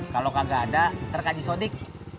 kalau kagak ada ntar kaji sodik